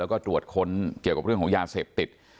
แล้วก็ตรวจค้นเกี่ยวกับเรื่องของยาเสพติด